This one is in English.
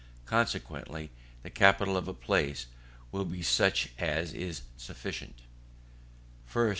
Consequently the capital of a place will be such as is sufficient 1st.